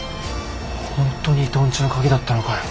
本当に伊藤んちの鍵だったのかよ。